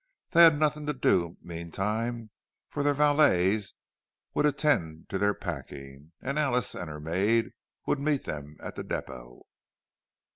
They had nothing to do meantime, for their valets would attend to their packing, and Alice and her maid would meet them at the depot.